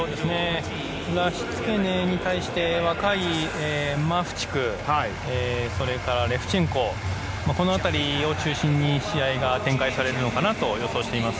ラシツケネに対して若いマフチフレフチェンコこの辺りを中心に試合が展開されるのかなと予想しています。